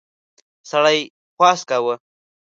سړي خواست کاوه.